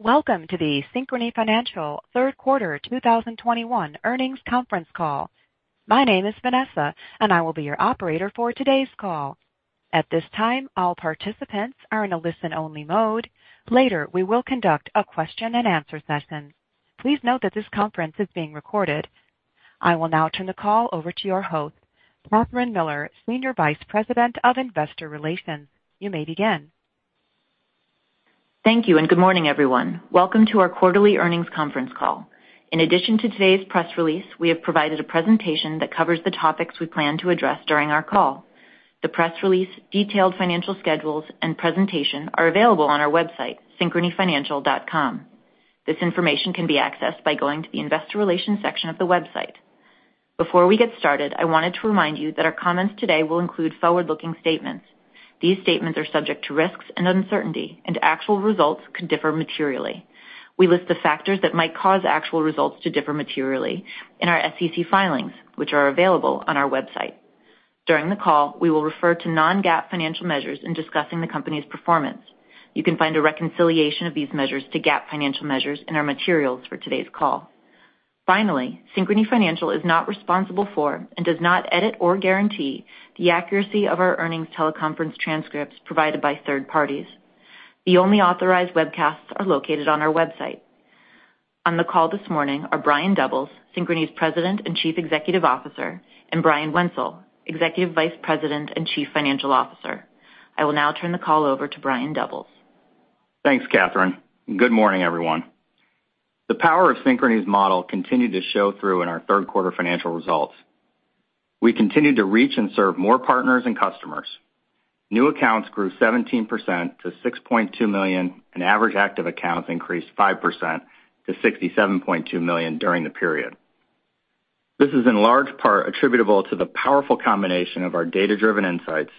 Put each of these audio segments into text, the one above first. Welcome to the Synchrony Financial third quarter 2021 earnings conference call. My name is Vanessa. I will be your operator for today's call. At this time, all participants are in a listen only mode. Later, we will conduct a question and answer session. Please note that this conference is being recorded. I will now turn the call over to your host, Kathryn Miller, Senior Vice President of Investor Relations. You may begin. Thank you, good morning, everyone. Welcome to our quarterly earnings conference call. In addition to today's press release, we have provided a presentation that covers the topics we plan to address during our call. The press release, detailed financial schedules, and presentation are available on our website, synchronyfinancial.com. This information can be accessed by going to the investor relations section of the website. Before we get started, I wanted to remind you that our comments today will include forward-looking statements. These statements are subject to risks and uncertainty, and actual results could differ materially. We list the factors that might cause actual results to differ materially in our SEC filings, which are available on our website. During the call, we will refer to non-GAAP financial measures in discussing the company's performance. You can find a reconciliation of these measures to GAAP financial measures in our materials for today's call. Finally, Synchrony Financial is not responsible for, and does not edit or guarantee, the accuracy of our earnings teleconference transcripts provided by third parties. The only authorized webcasts are located on our website. On the call this morning are Brian Doubles, Synchrony's President and Chief Executive Officer, and Brian Wenzel, Executive Vice President and Chief Financial Officer. I will now turn the call over to Brian Doubles. Thanks, Kathryn. Good morning, everyone. The power of Synchrony's model continued to show through in our third quarter financial results. We continued to reach and serve more partners and customers. New accounts grew 17% to 6.2 million, and average active accounts increased 5% to 67.2 million during the period. This is in large part attributable to the powerful combination of our data-driven insights,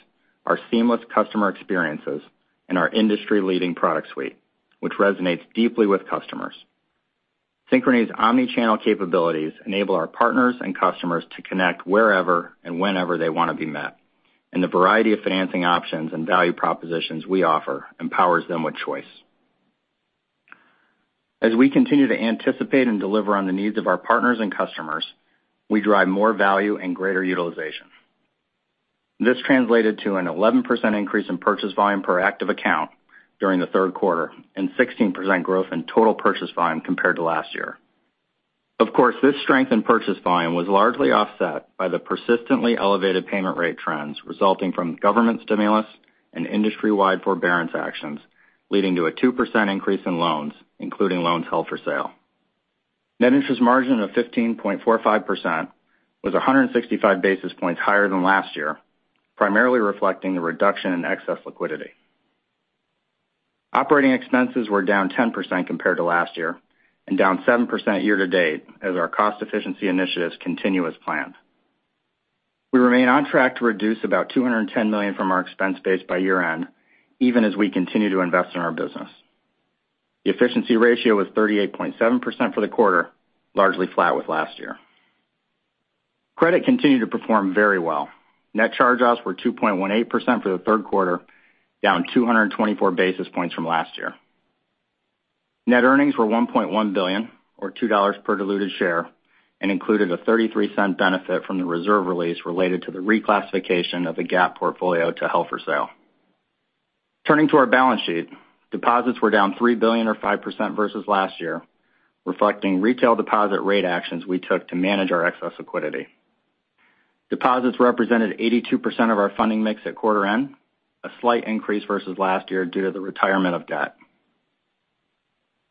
our seamless customer experiences, and our industry-leading product suite, which resonates deeply with customers. Synchrony's omni-channel capabilities enable our partners and customers to connect wherever and whenever they want to be met. The variety of financing options and value propositions we offer empowers them with choice. As we continue to anticipate and deliver on the needs of our partners and customers, we drive more value and greater utilization. This translated to an 11% increase in purchase volume per active account during the third quarter and 16% growth in total purchase volume compared to last year. Of course, this strength in purchase volume was largely offset by the persistently elevated payment rate trends resulting from government stimulus and industry-wide forbearance actions, leading to a 2% increase in loans, including loans held for sale. Net interest margin of 15.45% was 165 basis points higher than last year, primarily reflecting the reduction in excess liquidity. Operating expenses were down 10% compared to last year and down 7% year-to-date as our cost efficiency initiatives continue as planned. We remain on track to reduce about $210 million from our expense base by year-end, even as we continue to invest in our business. The efficiency ratio was 38.7% for the quarter, largely flat with last year. Credit continued to perform very well. Net charge-offs were 2.18% for the third quarter, down 224 basis points from last year. Net earnings were $1.1 billion or $2 per diluted share and included a $0.33 benefit from the reserve release related to the reclassification of the Gap portfolio to held for sale. Turning to our balance sheet, deposits were down $3 billion or 5% versus last year, reflecting retail deposit rate actions we took to manage our excess liquidity. Deposits represented 82% of our funding mix at quarter end, a slight increase versus last year due to the retirement of debt.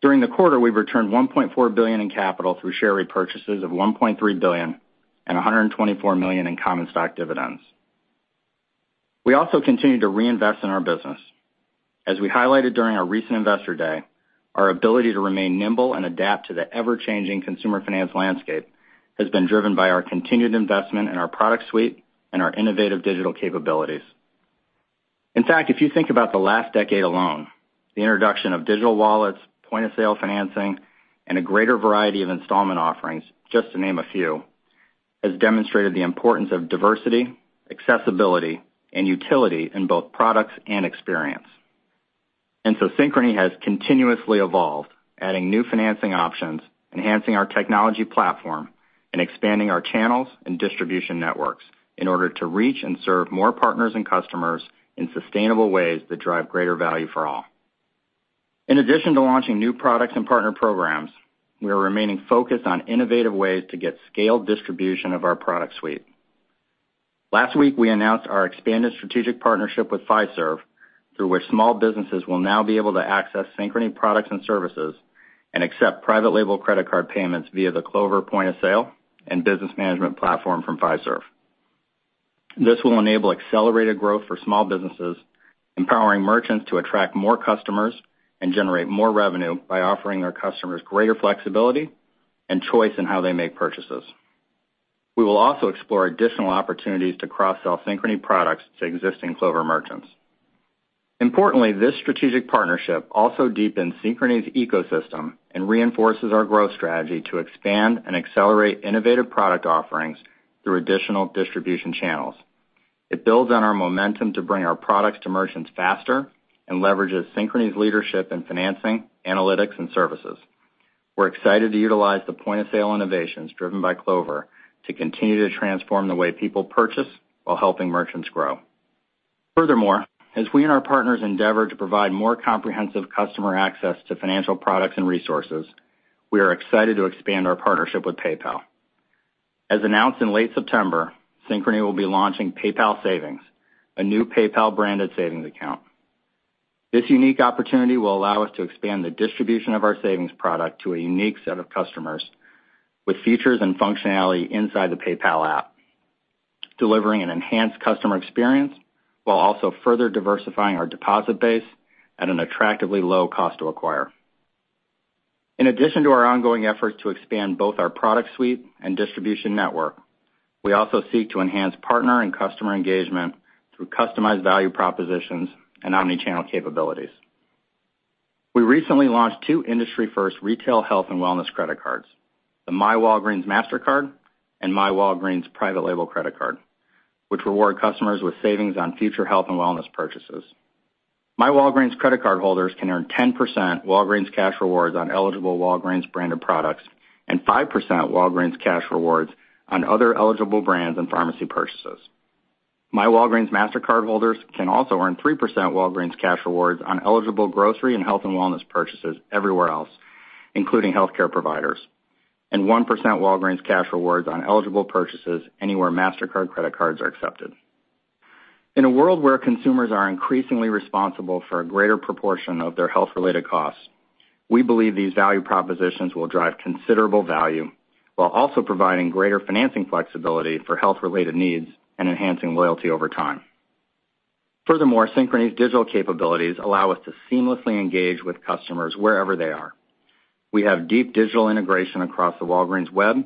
During the quarter, we returned $1.4 billion in capital through share repurchases of $1.3 billion and $124 million in common stock dividends. We also continued to reinvest in our business. As we highlighted during our recent Investor Day, our ability to remain nimble and adapt to the ever-changing consumer finance landscape has been driven by our continued investment in our product suite and our innovative digital capabilities. In fact, if you think about the last decade alone, the introduction of digital wallets, point-of-sale financing, and a greater variety of installment offerings, just to name a few, has demonstrated the importance of diversity, accessibility, and utility in both products and experience. Synchrony has continuously evolved, adding new financing options, enhancing our technology platform, and expanding our channels and distribution networks in order to reach and serve more partners and customers in sustainable ways that drive greater value for all. In addition to launching new products and partner programs, we are remaining focused on innovative ways to get scaled distribution of our product suite. Last week, we announced our expanded strategic partnership with Fiserv, through which small businesses will now be able to access Synchrony products and services and accept private label credit card payments via the Clover point of sale and business management platform from Fiserv. This will enable accelerated growth for small businesses, empowering merchants to attract more customers and generate more revenue by offering their customers greater flexibility and choice in how they make purchases. We will also explore additional opportunities to cross-sell Synchrony products to existing Clover merchants. Importantly, this strategic partnership also deepens Synchrony's ecosystem and reinforces our growth strategy to expand and accelerate innovative product offerings through additional distribution channels. It builds on our momentum to bring our products to merchants faster, and leverages Synchrony's leadership in financing, analytics, and services. We're excited to utilize the point-of-sale innovations driven by Clover to continue to transform the way people purchase while helping merchants grow. Furthermore, as we and our partners endeavor to provide more comprehensive customer access to financial products and resources, we are excited to expand our partnership with PayPal. As announced in late September, Synchrony will be launching PayPal Savings, a new PayPal-branded savings account. This unique opportunity will allow us to expand the distribution of our savings product to a unique set of customers with features and functionality inside the PayPal app, delivering an enhanced customer experience while also further diversifying our deposit base at an attractively low cost to acquire. In addition to our ongoing efforts to expand both our product suite and distribution network, we also seek to enhance partner and customer engagement through customized value propositions and omni-channel capabilities. We recently launched two industry-first retail health and wellness credit cards, the myWalgreens Mastercard, and myWalgreens private label credit card, which reward customers with savings on future health and wellness purchases. myWalgreens credit card holders can earn 10% Walgreens cash rewards on eligible Walgreens-branded products and 5% Walgreens cash rewards on other eligible brands and pharmacy purchases. myWalgreens Mastercard holders can also earn 3% Walgreens cash rewards on eligible grocery and health and wellness purchases everywhere else, including healthcare providers, and 1% Walgreens cash rewards on eligible purchases anywhere Mastercard credit cards are accepted. In a world where consumers are increasingly responsible for a greater proportion of their health-related costs, we believe these value propositions will drive considerable value while also providing greater financing flexibility for health-related needs and enhancing loyalty over time. Furthermore, Synchrony's digital capabilities allow us to seamlessly engage with customers wherever they are. We have deep digital integration across the Walgreens web,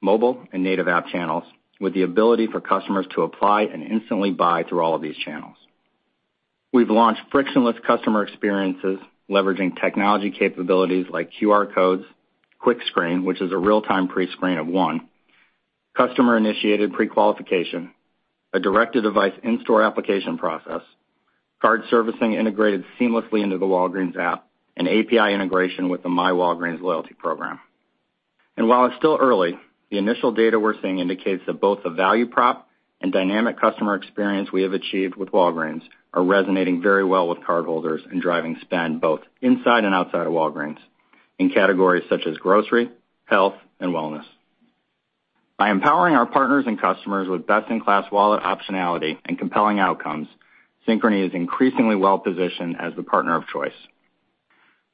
mobile, and native app channels, with the ability for customers to apply and instantly buy through all of these channels. We've launched frictionless customer experiences leveraging technology capabilities like QR codes, QuickScreen, which is a real-time prescreen of one, customer-initiated prequalification, a direct-to-device in-store application process, card servicing integrated seamlessly into the Walgreens app, and API integration with the myWalgreens loyalty program. While it's still early, the initial data we're seeing indicates that both the value prop and dynamic customer experience we have achieved with Walgreens are resonating very well with cardholders and driving spend both inside and outside of Walgreens in categories such as grocery, health, and wellness. By empowering our partners and customers with best-in-class wallet optionality and compelling outcomes, Synchrony is increasingly well-positioned as the partner of choice.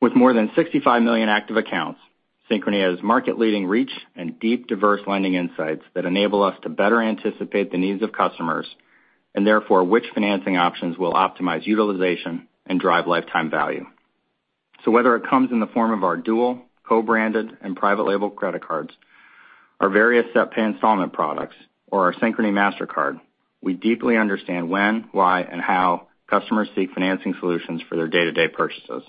With more than 65 million active accounts, Synchrony has market-leading reach and deep, diverse lending insights that enable us to better anticipate the needs of customers, and therefore, which financing options will optimize utilization and drive lifetime value. Whether it comes in the form of our dual co-branded and private label credit cards, our various SetPay installment products, or our Synchrony Mastercard, we deeply understand when, why, and how customers seek financing solutions for their day-to-day purchases.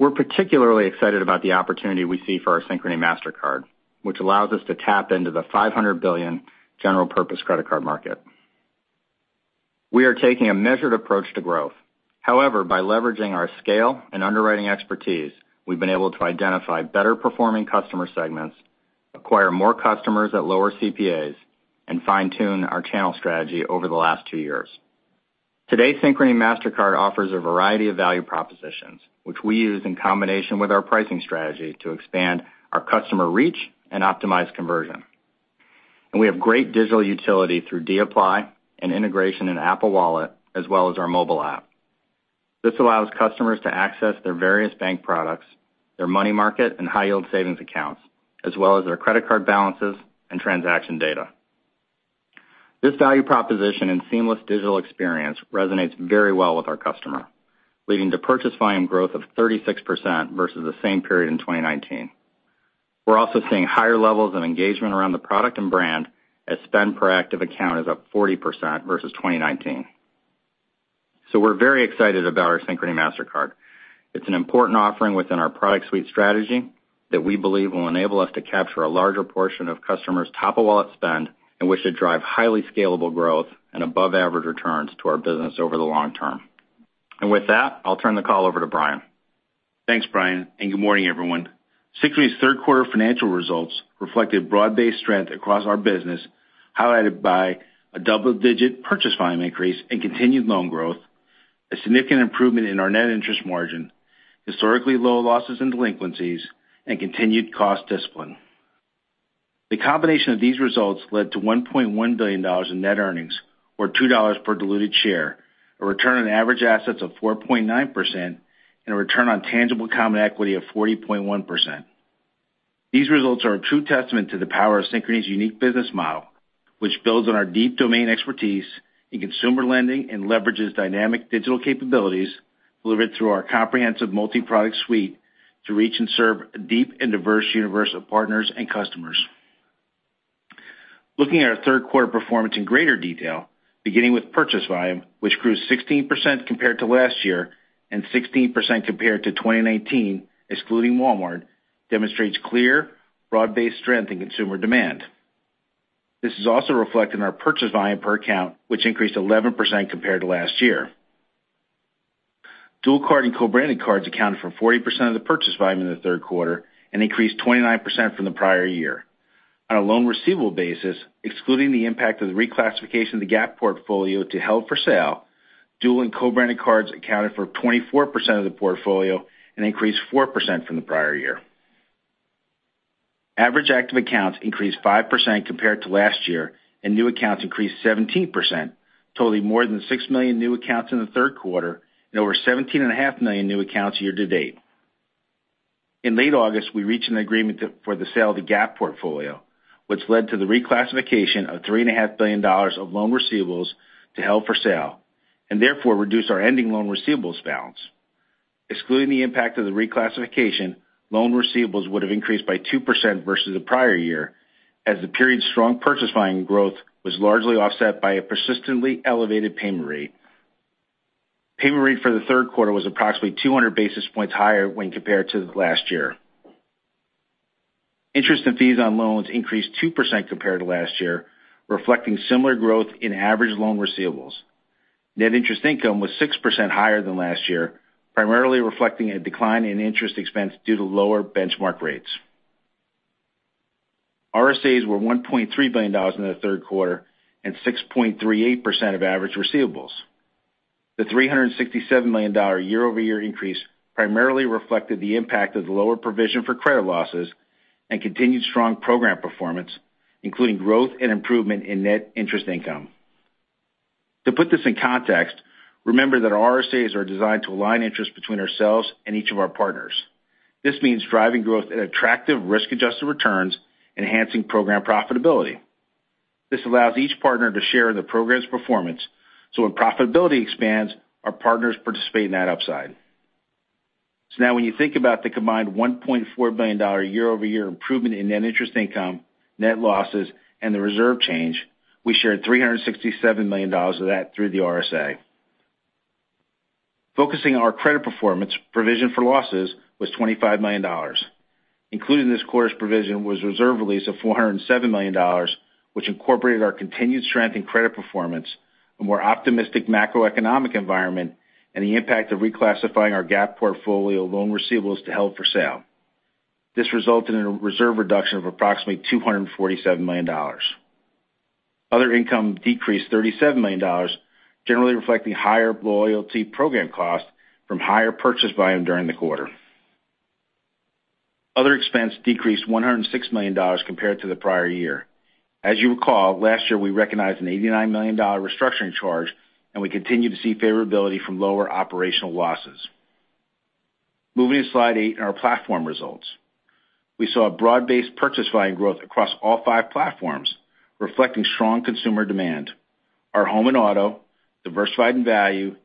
We're particularly excited about the opportunity we see for our Synchrony Mastercard, which allows us to tap into the $500 billion general-purpose credit card market. We are taking a measured approach to growth. However, by leveraging our scale and underwriting expertise, we've been able to identify better-performing customer segments, acquire more customers at lower CPAs, and fine-tune our channel strategy over the last two years. Today, Synchrony Mastercard offers a variety of value propositions, which we use in combination with our pricing strategy to expand our customer reach and optimize conversion. We have great digital utility through dApply and integration in Apple Wallet, as well as our mobile app. This allows customers to access their various bank products, their money market, and high-yield savings accounts, as well as their credit card balances and transaction data. This value proposition and seamless digital experience resonates very well with our customer, leading to purchase volume growth of 36% versus the same period in 2019. We're also seeing higher levels of engagement around the product and brand as spend per active account is up 40% versus 2019. We're very excited about our Synchrony Mastercard. It's an important offering within our product suite strategy that we believe will enable us to capture a larger portion of customers' top-of-wallet spend and which should drive highly scalable growth and above-average returns to our business over the long term. With that, I'll turn the call over to Brian. Thanks, Brian. Good morning, everyone. Synchrony's third-quarter financial results reflected broad-based strength across our business, highlighted by a double-digit purchase volume increase and continued loan growth, a significant improvement in our net interest margin, historically low losses and delinquencies, and continued cost discipline. The combination of these results led to $1.1 billion in net earnings, or $2 per diluted share, a return on average assets of 4.9%, and a return on tangible common equity of 40.1%. These results are a true testament to the power of Synchrony's unique business model, which builds on our deep domain expertise in consumer lending and leverages dynamic digital capabilities delivered through our comprehensive multi-product suite to reach and serve a deep and diverse universe of partners and customers. Looking at our third quarter performance in greater detail. Beginning with purchase volume, which grew 16% compared to last year and 16% compared to 2019, excluding Walmart, demonstrates clear, broad-based strength in consumer demand. This is also reflected in our purchase volume per account, which increased 11% compared to last year. Dual card and co-branded cards accounted for 40% of the purchase volume in the third quarter and increased 29% from the prior year. On a loan receivable basis, excluding the impact of the reclassification of the Gap portfolio to held for sale, dual and co-branded cards accounted for 24% of the portfolio and increased 4% from the prior year. Average active accounts increased 5% compared to last year, and new accounts increased 17%, totaling more than 6 million new accounts in the third quarter and over 17.5 million new accounts year to date. In late August, we reached an agreement for the sale of the Gap portfolio, which led to the reclassification of $3.5 billion of loan receivables to held for sale, and therefore reduced our ending loan receivables balance. Excluding the impact of the reclassification, loan receivables would have increased by 2% versus the prior year, as the period's strong purchase volume growth was largely offset by a persistently elevated payment rate. Payment rate for the third quarter was approximately 200 basis points higher when compared to last year. Interest and fees on loans increased 2% compared to last year, reflecting similar growth in average loan receivables. Net interest income was 6% higher than last year, primarily reflecting a decline in interest expense due to lower benchmark rates. RSAs were $1.3 billion in the third quarter and 6.38% of average receivables. The $367 million year-over-year increase primarily reflected the impact of the lower provision for credit losses and continued strong program performance, including growth and improvement in net interest income. To put this in context, remember that our RSAs are designed to align interest between ourselves and each of our partners. This means driving growth at attractive risk-adjusted returns, enhancing program profitability. This allows each partner to share in the program's performance, so when profitability expands, our partners participate in that upside. Now when you think about the combined $1.4 billion year-over-year improvement in net interest income, net losses, and the reserve change, we shared $367 million of that through the RSA. Focusing on our credit performance, provision for losses was $25 million. Included in this quarter's provision was a reserve release of $407 million, which incorporated our continued strength in credit performance, a more optimistic macroeconomic environment, and the impact of reclassifying our Gap portfolio loan receivables to held for sale. This resulted in a reserve reduction of approximately $247 million. Other income decreased $37 million, generally reflecting higher loyalty program costs from higher purchase volume during the quarter. Other expense decreased $106 million compared to the prior year. As you recall, last year we recognized an $89 million restructuring charge, and we continue to see favorability from lower operational losses. Moving to slide eight and our platform results. We saw broad-based purchase volume growth across all five platforms, reflecting strong consumer demand. Our home and auto, diversified and value,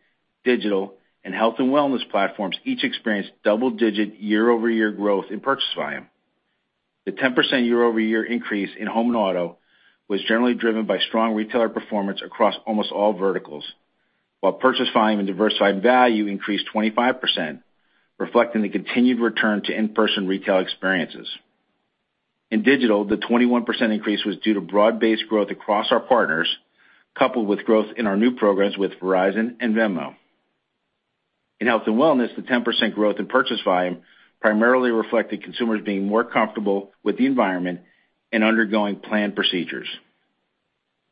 digital, and health and wellness platforms each experienced double-digit year-over-year growth in purchase volume. The 10% year-over-year increase in home and auto was generally driven by strong retailer performance across almost all verticals, while purchase volume in diversified value increased 25%, reflecting the continued return to in-person retail experiences. In digital, the 21% increase was due to broad-based growth across our partners, coupled with growth in our new programs with Verizon and Venmo. In health and wellness, the 10% growth in purchase volume primarily reflected consumers being more comfortable with the environment and undergoing planned procedures.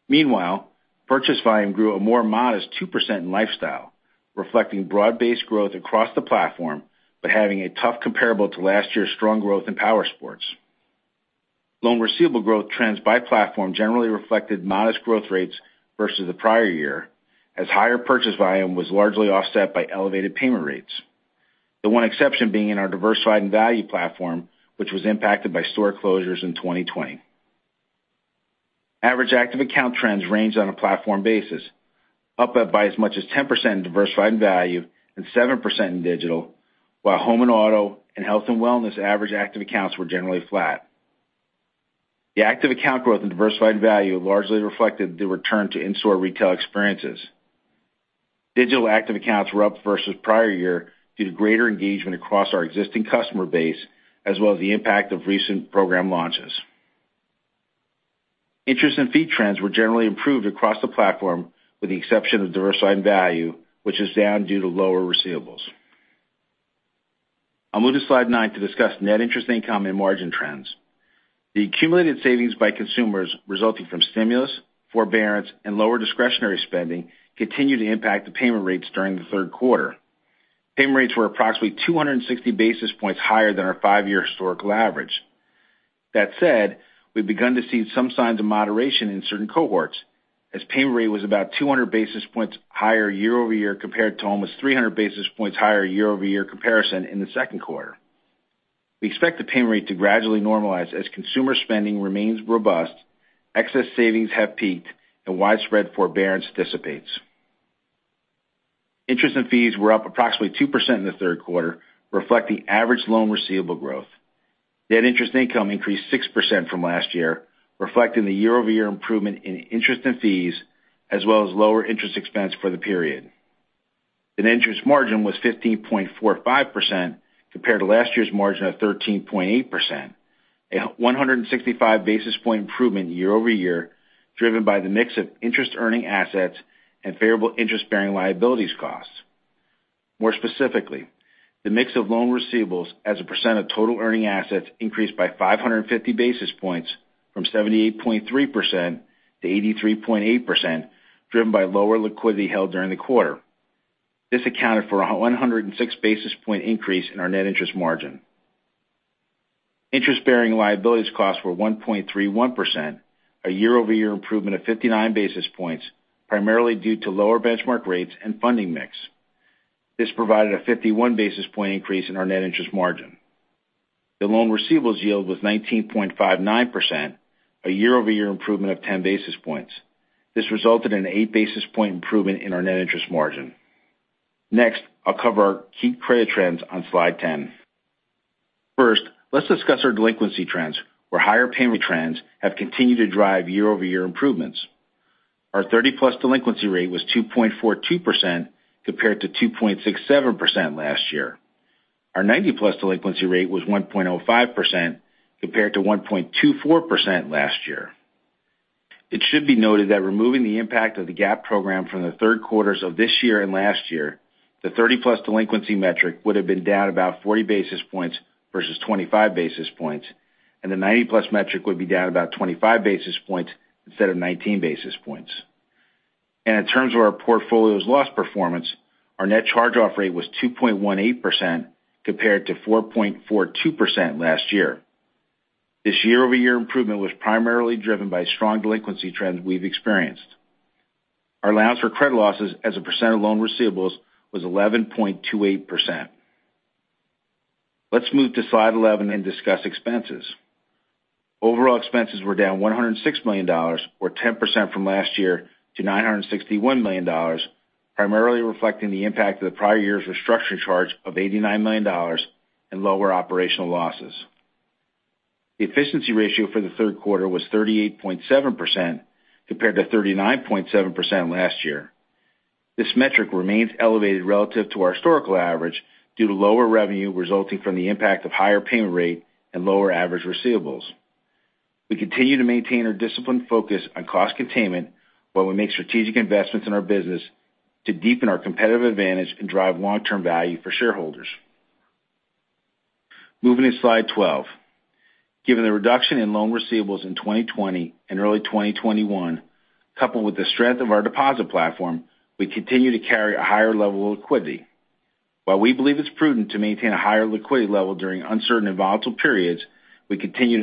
Meanwhile, purchase volume grew a more modest 2% in lifestyle, reflecting broad-based growth across the platform, but having a tough comparable to last year's strong growth in powersports. Loan receivable growth trends by platform generally reflected modest growth rates versus the prior year, as higher purchase volume was largely offset by elevated payment rates. The one exception being in our diversified and value platform, which was impacted by store closures in 2020. Average active account trends ranged on a platform basis, up by as much as 10% in diversified and value and 7% in digital, while home and auto and health and wellness average active accounts were generally flat. The active account growth in diversified value largely reflected the return to in-store retail experiences. Digital active accounts were up versus prior year due to greater engagement across our existing customer base, as well as the impact of recent program launches. Interest and fee trends were generally improved across the platform, with the exception of diversified value, which is down due to lower receivables. I'll move to slide nine to discuss net interest income and margin trends. The accumulated savings by consumers resulting from stimulus, forbearance, and lower discretionary spending continued to impact the payment rates during the third quarter. Payment rates were approximately 260 basis points higher than our five-year historical average. That said, we've begun to see some signs of moderation in certain cohorts, as payment rate was about 200 basis points higher year-over-year compared to almost 300 basis points higher year-over-year comparison in the second quarter. We expect the payment rate to gradually normalize as consumer spending remains robust, excess savings have peaked, and widespread forbearance dissipates. Interest and fees were up approximately 2% in the third quarter, reflecting average loan receivable growth. Net interest income increased 6% from last year, reflecting the year-over-year improvement in interest and fees, as well as lower interest expense for the period. The net interest margin was 15.45% compared to last year's margin of 13.8%, a 165 basis point improvement year-over-year, driven by the mix of interest-earning assets and variable interest-bearing liabilities costs. More specifically, the mix of loan receivables as a percent of total earning assets increased by 550 basis points from 78.3%-83.8%, driven by lower liquidity held during the quarter. This accounted for a 106 basis point increase in our net interest margin. Interest-bearing liabilities costs were 1.31%, a year-over-year improvement of 59 basis points, primarily due to lower benchmark rates and funding mix. This provided a 51 basis point increase in our net interest margin. The loan receivables yield was 19.59%, a year-over-year improvement of 10 basis points. This resulted in an 8 basis point improvement in our net interest margin. Next, I'll cover our key credit trends on Slide 10. First, let's discuss our delinquency trends, where higher payment trends have continued to drive year-over-year improvements. Our 30+ delinquency rate was 2.42% compared to 2.67% last year. Our 90+ delinquency rate was 1.05% compared to 1.24% last year. It should be noted that removing the impact of the Gap program from the third quarters of this year and last year, the 30+ delinquency metric would've been down about 40 basis points versus 25 basis points, the 90+ metric would be down about 25 basis points instead of 19 basis points. In terms of our portfolio's loss performance, our net charge-off rate was 2.18% compared to 4.42% last year. This year-over-year improvement was primarily driven by strong delinquency trends we've experienced. Our allowance for credit losses as a percent of loan receivables was 11.28%. Let's move to Slide 11 and discuss expenses. Overall expenses were down $106 million, or 10% from last year, to $961 million, primarily reflecting the impact of the prior year's restructure charge of $89 million and lower operational losses. The efficiency ratio for the third quarter was 38.7% compared to 39.7% last year. This metric remains elevated relative to our historical average due to lower revenue resulting from the impact of higher payment rate and lower average receivables. We continue to maintain our disciplined focus on cost containment while we make strategic investments in our business to deepen our competitive advantage and drive long-term value for shareholders. Moving to Slide 12. Given the reduction in loan receivables in 2020 and early 2021, coupled with the strength of our deposit platform, we continue to carry a higher level of liquidity. While we believe it's prudent to maintain a higher liquidity level during uncertain and volatile periods, we continue to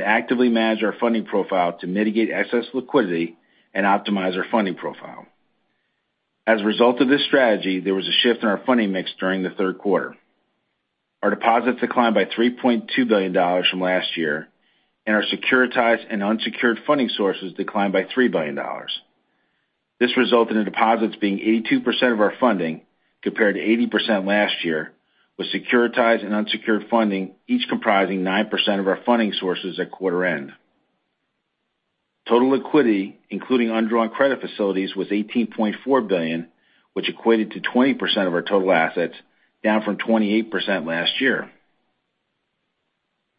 actively manage our funding profile to mitigate excess liquidity and optimize our funding profile. As a result of this strategy, there was a shift in our funding mix during the third quarter. Our deposits declined by $3.2 billion from last year, and our securitized and unsecured funding sources declined by $3 billion. This resulted in deposits being 82% of our funding, compared to 80% last year, with securitized and unsecured funding each comprising 9% of our funding sources at quarter end. Total liquidity, including undrawn credit facilities, was $18.4 billion, which equated to 20% of our total assets, down from 28% last year.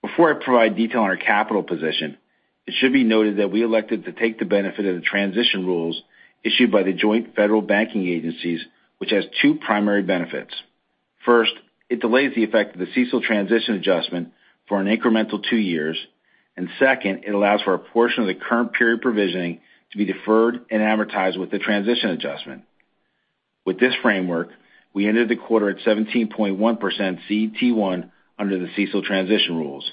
Before I provide detail on our capital position, it should be noted that we elected to take the benefit of the transition rules issued by the joint federal banking agencies, which has two primary benefits. First, it delays the effect of the CECL transition adjustment for an incremental two years. Second, it allows for a portion of the current period provisioning to be deferred and amortized with the transition adjustment. With this framework, we ended the quarter at 17.1% CET1 under the CECL transition rules,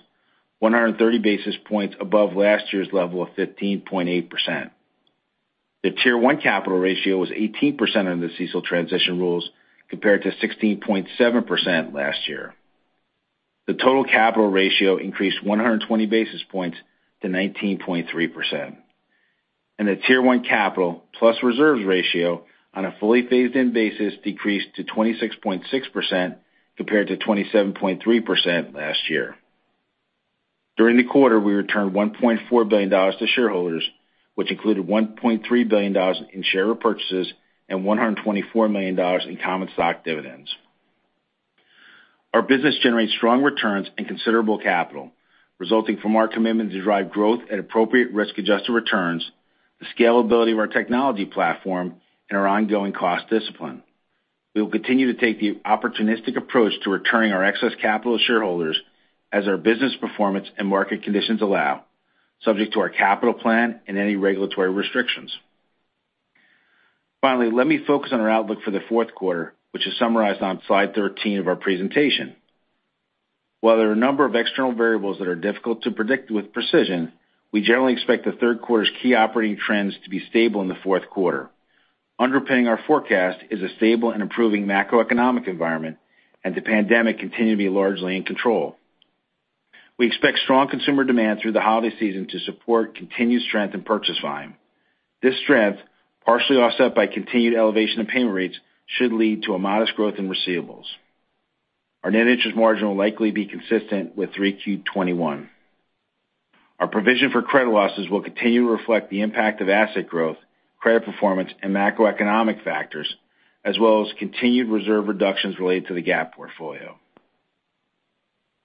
130 basis points above last year's level of 15.8%. The Tier 1 capital ratio was 18% under the CECL transition rules compared to 16.7% last year. The total capital ratio increased 120 basis points to 19.3%. The Tier 1 capital plus reserves ratio on a fully phased-in basis decreased to 26.6% compared to 27.3% last year. During the quarter, we returned $1.4 billion to shareholders, which included $1.3 billion in share repurchases and $124 million in common stock dividends. Our business generates strong returns and considerable capital, resulting from our commitment to drive growth at appropriate risk-adjusted returns, the scalability of our technology platform, and our ongoing cost discipline. We will continue to take the opportunistic approach to returning our excess capital to shareholders as our business performance and market conditions allow, subject to our capital plan and any regulatory restrictions. Let me focus on our outlook for the fourth quarter, which is summarized on Slide 13 of our presentation. There are a number of external variables that are difficult to predict with precision, we generally expect the third quarter's key operating trends to be stable in the fourth quarter. Underpinning our forecast is a stable and improving macroeconomic environment and the pandemic continuing to be largely in control. We expect strong consumer demand through the holiday season to support continued strength in purchase volume. This strength, partially offset by continued elevation in payment rates, should lead to a modest growth in receivables. Our net interest margin will likely be consistent with 3Q, 2021. Our provision for credit losses will continue to reflect the impact of asset growth, credit performance, and macroeconomic factors, as well as continued reserve reductions related to the Gap portfolio.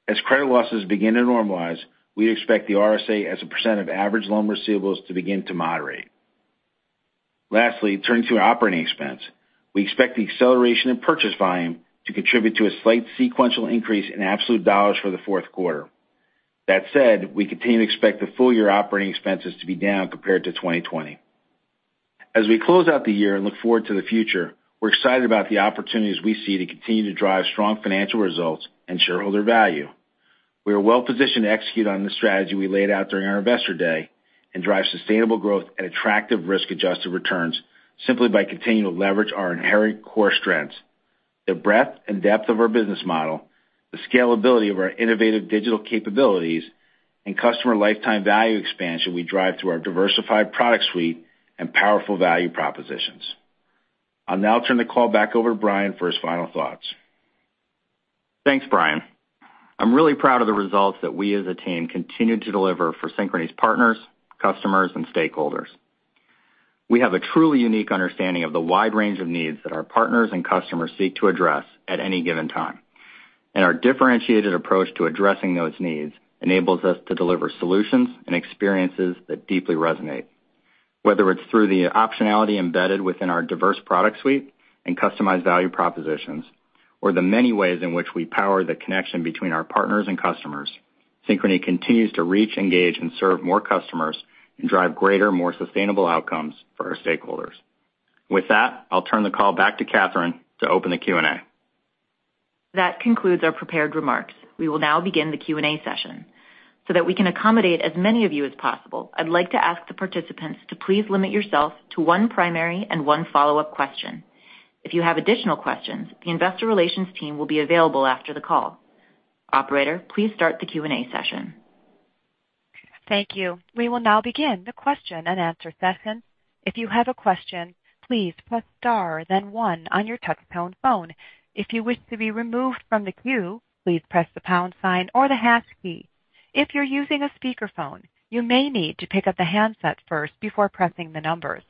As credit losses begin to normalize, we expect the RSA as a percent of average loan receivables to begin to moderate. Lastly, turning to our operating expense. We expect the acceleration in purchase volume to contribute to a slight sequential increase in absolute dollars for the fourth quarter. That said, we continue to expect the full-year operating expenses to be down compared to 2020. As we close out the year and look forward to the future, we're excited about the opportunities we see to continue to drive strong financial results and shareholder value. We are well-positioned to execute on the strategy we laid out during our Investor Day and drive sustainable growth at attractive risk-adjusted returns simply by continuing to leverage our inherent core strengths, the breadth and depth of our business model, the scalability of our innovative digital capabilities, and customer lifetime value expansion we drive through our diversified product suite and powerful value propositions. I'll now turn the call back over to Brian for his final thoughts. Thanks, Brian. I'm really proud of the results that we as a team continue to deliver for Synchrony's partners, customers, and stakeholders. We have a truly unique understanding of the wide range of needs that our partners and customers seek to address at any given time, and our differentiated approach to addressing those needs enables us to deliver solutions and experiences that deeply resonate. Whether it's through the optionality embedded within our diverse product suite and customized value propositions, or the many ways in which we power the connection between our partners and customers, Synchrony continues to reach, engage, and serve more customers and drive greater, more sustainable outcomes for our stakeholders. With that, I'll turn the call back to Kathryn to open the Q&A. That concludes our prepared remarks. We will now begin the Q&A session. That we can accommodate as many of you as possible, I'd like to ask the participants to please limit yourself to one primary and one follow-up question. If you have additional questions, the investor relations team will be available after the call. Operator, please start the Q&A session. Thank you. We will now begin the question and answer session. If you have a question, please press star then one on your touchtone phone. If you wish to be removed from the queue, please press the pound sign or the hash key. If you are using a speaker phone, you may need to pick up the handset first before pressing the numbers.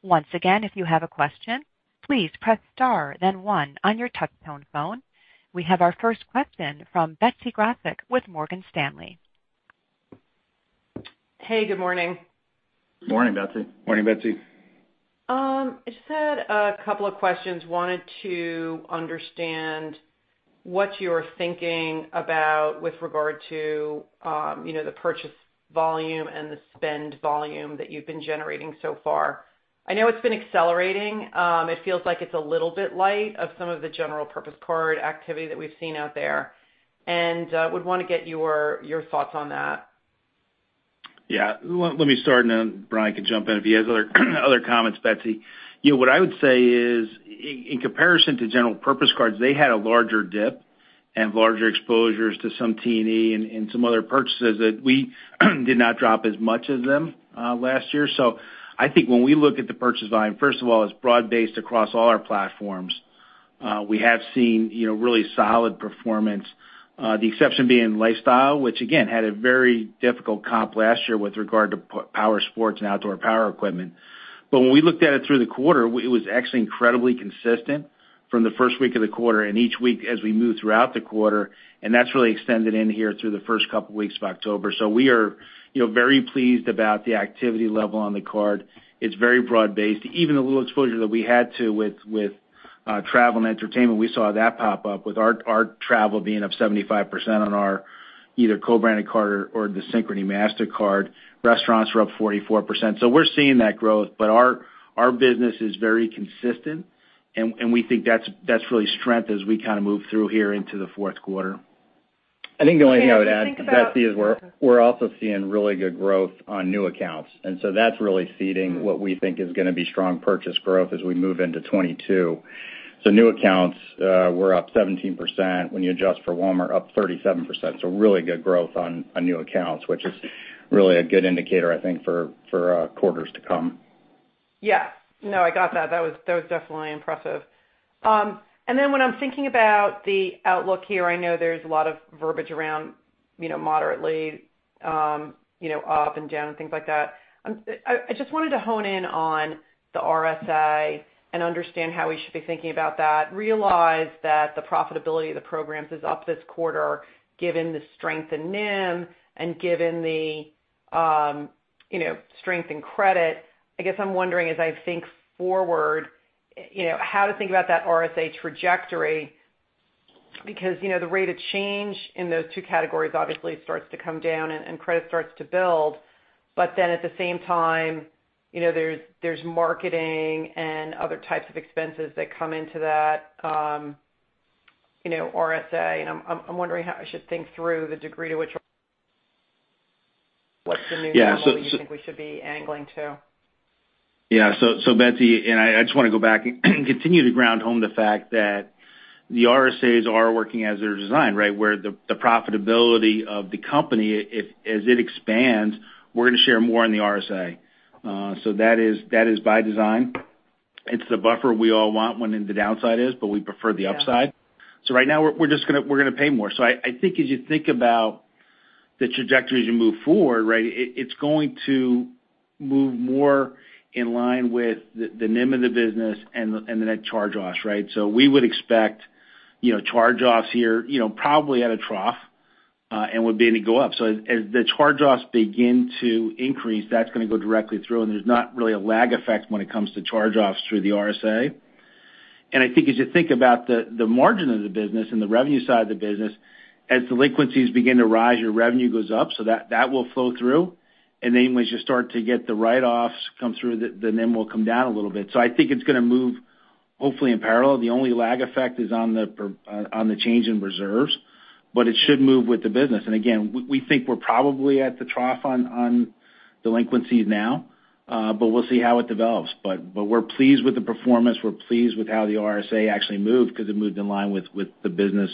Once again if you have a question, please press star then one on your touchtone phone. We have our first question from Betsy Graseck with Morgan Stanley. Hey, good morning. Morning, Betsy. Morning, Betsy. I just had a couple of questions. I wanted to understand what you're thinking about with regard to the purchase volume and the spend volume that you've been generating so far. I know it's been accelerating. It feels like it's a little bit light of some of the general purpose card activity that we've seen out there, and would want to get your thoughts on that. Yeah. Let me start, and then Brian can jump in if he has other comments, Betsy. What I would say is, in comparison to general purpose cards, they had a larger dip and larger exposures to some T&E and some other purchases that we did not drop as much as them last year. I think when we look at the purchase volume, first of all, it's broad-based across all our platforms. We have seen really solid performance. The exception being lifestyle, which again, had a very difficult comp last year with regard to power sports and outdoor power equipment. When we looked at it through the quarter, it was actually incredibly consistent from the first week of the quarter and each week as we moved throughout the quarter, and that's really extended in here through the first couple weeks of October. We are very pleased about the activity level on the card. It's very broad-based. Even the little exposure that we had to with travel and entertainment, we saw that pop up with our travel being up 75% on our either co-branded card or the Synchrony Mastercard. Restaurants were up 44%. We're seeing that growth, but our business is very consistent, and we think that's really strength as we move through here into the fourth quarter. I think the only thing I would add, Betsy, is we're also seeing really good growth on new accounts. That's really seeding what we think is going to be strong purchase growth as we move into 2022. New accounts were up 17%. When you adjust for Walmart, up 37%. Really good growth on new accounts, which is really a good indicator, I think, for quarters to come. Yeah. No, I got that. That was definitely impressive. When I'm thinking about the outlook here, I know there's a lot of verbiage around moderately up and down and things like that. I just wanted to hone in on the RSA and understand how we should be thinking about that. Realize that the profitability of the programs is up this quarter, given the strength in NIM and given the strength in credit. I guess I'm wondering, as I think forward, how to think about that RSA trajectory, because the rate of change in those two categories obviously starts to come down and credit starts to build. At the same time, there's marketing and other types of expenses that come into that RSA, and I'm wondering how I should think through the degree to which, what's the new level you think we should be angling to? Betsy, I just want to go back and continue to ground home the fact that the RSAs are working as they're designed, right? Where the profitability of the company, as it expands, we're going to share more on the RSA. That is by design. It's the buffer we all want when the downside is, but we prefer the upside. Yeah. Right now, we're going to pay more. I think as you think about the trajectory as you move forward, right? It's going to move more in line with the NIM of the business and the net charge-offs, right? We would expect charge-offs here, probably at a trough, and would be to go up. As the charge-offs begin to increase, that's going to go directly through and there's not really a lag effect when it comes to charge-offs through the RSA. I think as you think about the margin of the business and the revenue side of the business, as delinquencies begin to rise, your revenue goes up, so that will flow through. Then as you start to get the write-offs come through, the NIM will come down a little bit. I think it's going to move hopefully in parallel. The only lag effect is on the change in reserves. It should move with the business. Again, we think we're probably at the trough on delinquencies now. We'll see how it develops. We're pleased with the performance. We're pleased with how the RSA actually moved because it moved in line with the business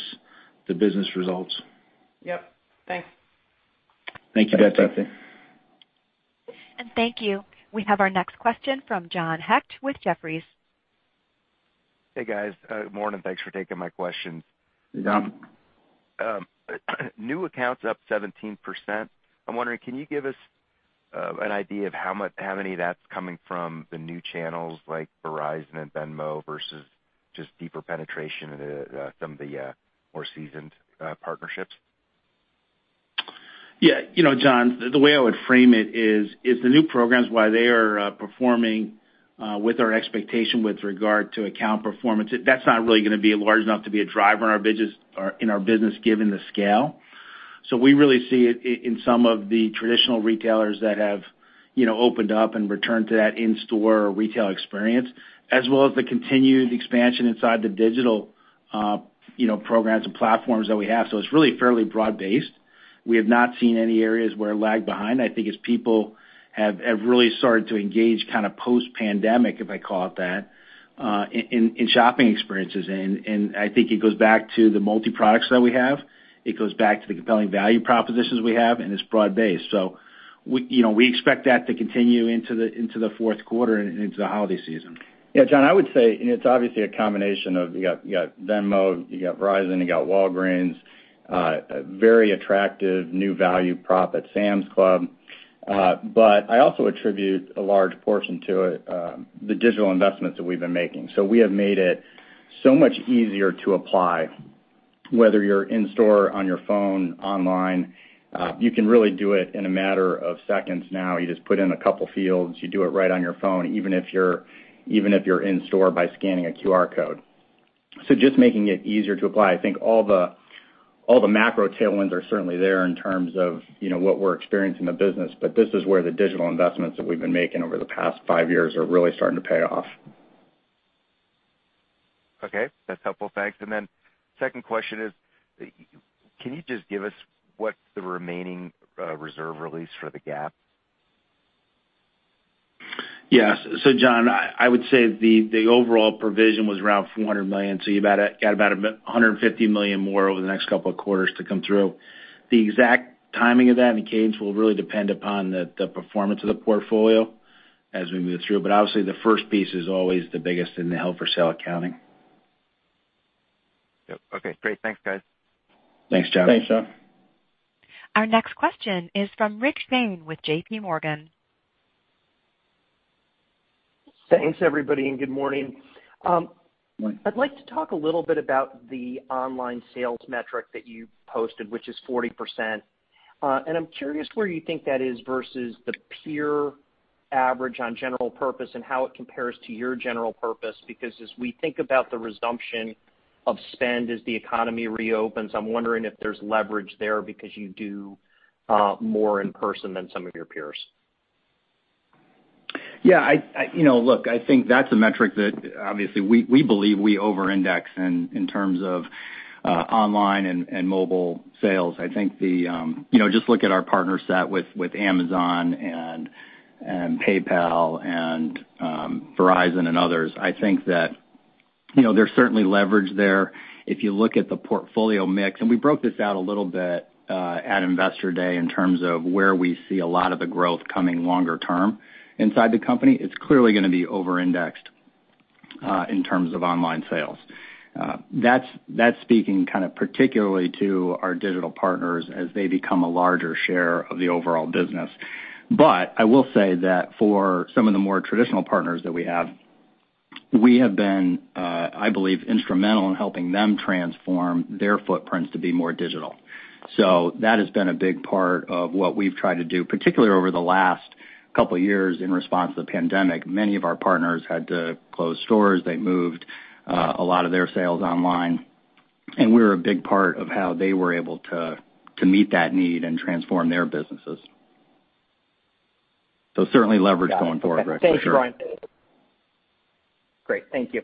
results. Yep. Thanks. Thank you, Betsy. Thank you. We have our next question from John Hecht with Jefferies. Hey, guys. Morning, thanks for taking my questions. Hey, John. New accounts up 17%. I'm wondering, can you give us an idea of how many that's coming from the new channels like Verizon and Venmo versus just deeper penetration into some of the more seasoned partnerships? Yeah, John, the way I would frame it is the new programs, while they are performing with our expectation with regard to account performance, that's not really going to be large enough to be a driver in our business given the scale. We really see it in some of the traditional retailers that have opened up and returned to that in-store retail experience, as well as the continued expansion inside the digital programs and platforms that we have. It's really fairly broad-based. We have not seen any areas where it lagged behind. I think as people have really started to engage kind of post-pandemic, if I call it that, in shopping experiences. I think it goes back to the multi-products that we have. It goes back to the compelling value propositions we have, and it's broad-based. We expect that to continue into the fourth quarter and into the holiday season. John, I would say it's obviously a combination of, you got Venmo, you got Verizon, you got Walgreens. A very attractive new value prop at Sam's Club. I also attribute a large portion to it, the digital investments that we've been making. We have made it so much easier to apply, whether you're in store, on your phone, online. You can really do it in a matter of seconds now. You just put in a couple fields. You do it right on your phone, even if you're in store by scanning a QR code. Just making it easier to apply. I think all the macro tailwinds are certainly there in terms of what we're experiencing in the business. This is where the digital investments that we've been making over the past five years are really starting to pay off. Okay. That's helpful. Thanks. Second question is, can you just give us what's the remaining reserve release for the Gap? Yes, John, I would say the overall provision was around $400 million, you've got about $150 million more over the next couple of quarters to come through. The exact timing of that and cadence will really depend upon the performance of the portfolio as we move through. Obviously, the first piece is always the biggest in the held for sale accounting. Yep. Okay, great. Thanks, guys. Thanks, John. Thanks, John. Our next question is from Rick Shane with JPMorgan. Thanks, everybody, and good morning. Morning. I'd like to talk a little bit about the online sales metric that you posted, which is 40%. I'm curious where you think that is versus the peer average on general purpose and how it compares to your general purpose. As we think about the resumption of spend as the economy reopens, I'm wondering if there's leverage there because you do more in person than some of your peers. Look, I think that's a metric that obviously we believe we over-index in terms of online and mobile sales. Just look at our partner set with Amazon and PayPal and Verizon and others. I think that there's certainly leverage there. If you look at the portfolio mix, and we broke this out a little bit at Investor Day in terms of where we see a lot of the growth coming longer term inside the company. It's clearly going to be over-indexed in terms of online sales. That's speaking kind of particularly to our digital partners as they become a larger share of the overall business. But, I will say that for some of the more traditional partners that we have, we have been, I believe, instrumental in helping them transform their footprints to be more digital. That has been a big part of what we've tried to do, particularly over the last couple of years in response to the pandemic. Many of our partners had to close stores. They moved a lot of their sales online. We're a big part of how they were able to meet that need and transform their businesses. Certainly leverage going forward, Rick, for sure. Got it. Thanks, Brian. Great. Thank you.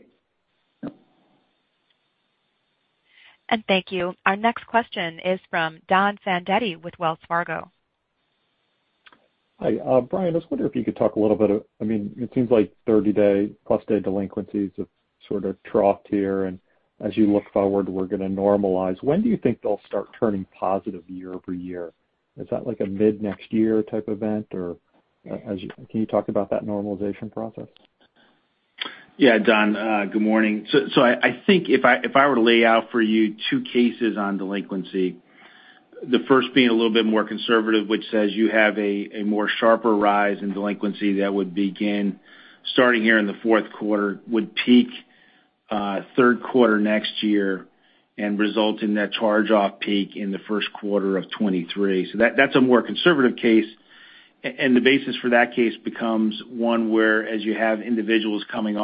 Thank you. Our next question is from Don Fandetti with Wells Fargo. Hi. Brian, I was wondering if you could talk a little bit, it seems like 30+ day delinquencies have sort of troughed here, and as you look forward, we're going to normalize. When do you think they'll start turning positive year-over-year? Is that like a mid-next year type event, or can you talk about that normalization process? Yeah, Don, good morning. I think if I were to lay out for you two cases on delinquency, the first being a little bit more conservative, which says you have a more sharper rise in delinquency that would begin starting here in the fourth quarter, would peak third quarter next year and result in that charge-off peak in the first quarter of 2023. That's a more conservative case, and the basis for that case becomes one where as you have consumers coming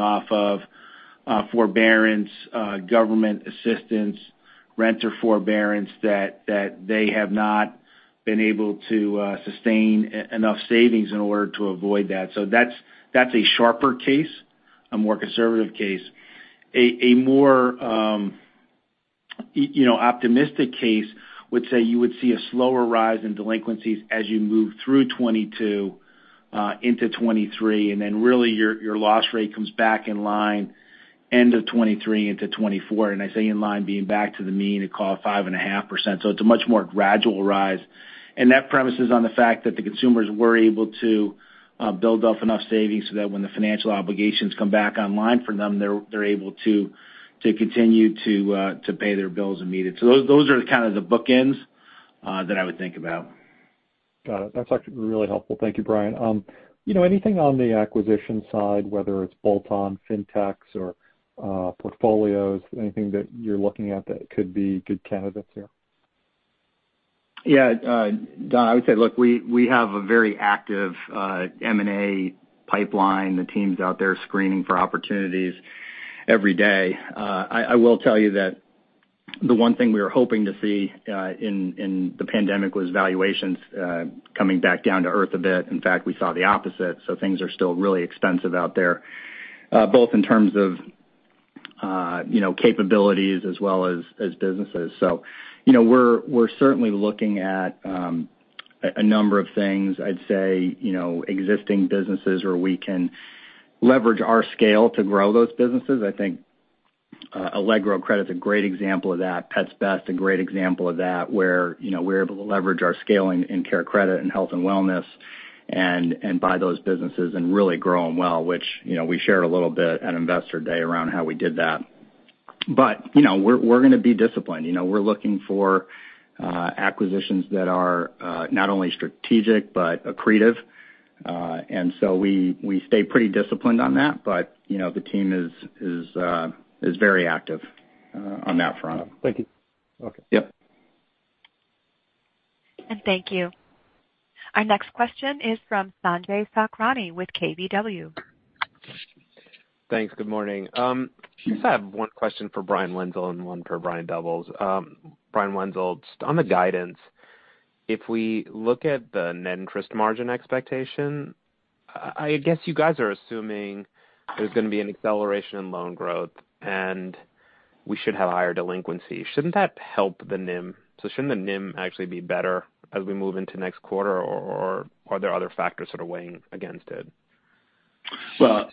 off of forbearance, government assistance, renter forbearance, that they have not been able to sustain enough savings in order to avoid that. That's a sharper case, a more conservative case. A more optimistic case would say you would see a slower rise in delinquencies as you move through 2022 into 2023, then really your loss rate comes back in line end of 2023 into 2024. I say in line being back to the mean, it cost 5.5%. It's a much more gradual rise, and that premise is on the fact that the consumers were able to build up enough savings so that when the financial obligations come back online for them, they're able to continue to pay their bills and meet it. Those are kind of the bookends that I would think about. Got it. That's actually really helpful. Thank you, Brian. Anything on the acquisition side, whether it's bolt-on, fintechs or portfolios, anything that you're looking at that could be good candidates here? Don, I would say, look, we have a very active M&A pipeline. The team's out there screening for opportunities every day. I will tell you that the one thing we were hoping to see in the pandemic was valuations coming back down to earth a bit. In fact, we saw the opposite. Things are still really expensive out there, both in terms of capabilities as well as businesses. We're certainly looking at a number of things. I'd say, existing businesses where we can leverage our scale to grow those businesses. I think Allegro Credit is a great example of that. Pets Best, a great example of that, where we're able to leverage our scaling in CareCredit and health and wellness and buy those businesses and really grow them well, which we shared a little bit at Investor Day around how we did that. We're going to be disciplined. We're looking for acquisitions that are not only strategic but accretive. We stay pretty disciplined on that. The team is very active on that front. Thank you. Okay. Yep. Thank you. Our next question is from Sanjay Sakhrani with KBW. Thanks. Good morning. Just have one question for Brian Wenzel and one for Brian Doubles. Brian Wenzel, just on the guidance, if we look at the net interest margin expectation, I guess you guys are assuming there's going to be an acceleration in loan growth, and we should have higher delinquency. Shouldn't that help the NIM? Shouldn't the NIM actually be better as we move into next quarter, or are there other factors that are weighing against it? Well,